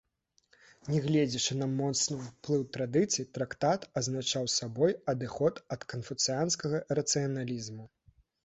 Нягледзячы на моцны ўплыў традыцыі, трактат азначаў сабой адыход ад канфуцыянскага рацыяналізму.